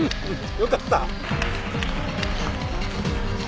よかった。